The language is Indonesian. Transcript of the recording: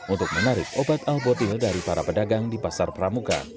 untuk menarik obat albotil dari para pedagang di pasar pramuka